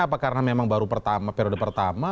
apa karena memang baru periode pertama